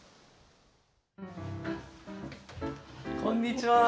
こんにちは。